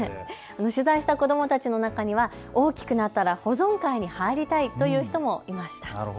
取材した子どもたちの中には大きくなったら保存会に入りたいという人もいました。